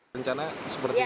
rencana seperti itu